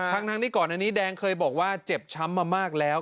ทั้งที่ก่อนอันนี้แดงเคยบอกว่าเจ็บช้ำมามากแล้ว